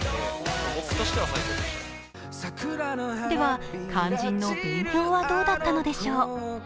では、肝心の勉強はどうだったのでしょうか。